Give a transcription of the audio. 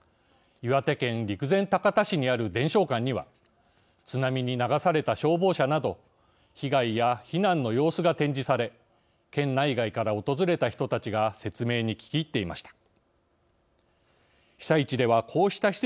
岩手県陸前高田市にある伝承館には津波に流された消防車など被害や避難の様子が展示され県内外から訪れた人たちが説明に聞き入っていました。